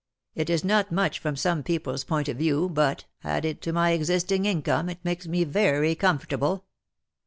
It is not much from some people^s point of view, but, added to my existing income, it makes me very comfortable.